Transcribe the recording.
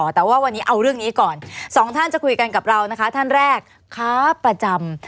แต่ว่าวันนี้เอาเรื่องนี้ก่อนสองท่านจะคุยกันกับเรานะคะท่านแรกค้าประจำ